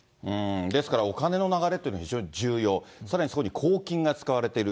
ですからお金の流れっていうのは非常に重要、さらにそこに公金が使われている。